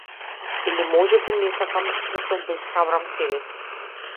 Или можеби не сакам да се обесхрабрам себеси.